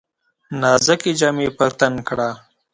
نازکي جامې په تن کړه !